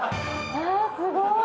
あすごい！